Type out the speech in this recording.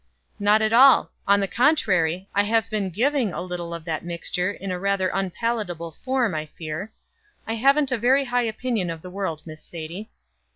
"Not at all. On the contrary, I have been giving a little of that mixture in a rather unpalatable form, I fear. I haven't a very high opinion of the world, Miss Sadie."